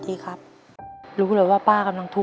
ที่เราจะลงนี่